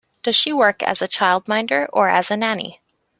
Does she work as a childminder or as a nanny?